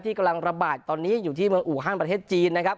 กำลังระบาดตอนนี้อยู่ที่เมืองอูฮันประเทศจีนนะครับ